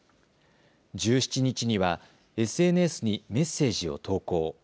１７日にはＳＮＳにメッセージを投稿。